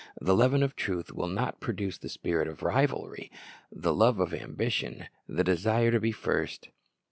The leaven of truth will not produce the spirit of rivalry, the love of ambition, the desire to be first.